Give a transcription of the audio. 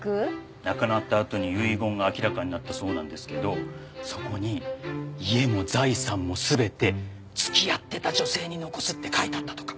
亡くなったあとに遺言が明らかになったそうなんですけどそこに家も財産も全て付き合ってた女性に残すって書いてあったとか。